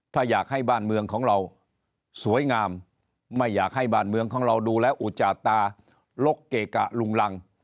ถ้าอยากให้บ้านเมืองของเราสวยงามไม่อยากให้บ้านเมืองของเราดูแล้วอุจาตาลกเกะกะลุงรัง